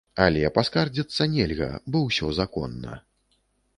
Але паскардзіцца нельга, бо ўсё законна.